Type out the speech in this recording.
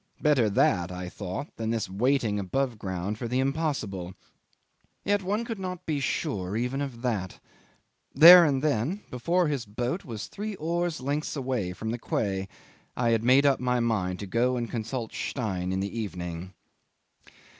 Better that, I thought, than this waiting above ground for the impossible. Yet one could not be sure even of that. There and then, before his boat was three oars' lengths away from the quay, I had made up my mind to go and consult Stein in the evening.